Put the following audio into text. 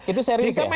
itu serius ya